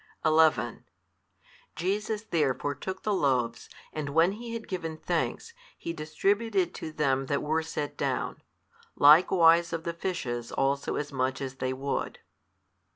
11 Jesus therefore took the loaves, and when He had given thanks, He distributed 7 to them that were set down; likewise of the fishes also as much as they would.